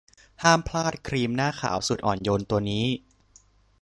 ห้ามพลาดครีมหน้าขาวสูตรอ่อนโยนตัวนี้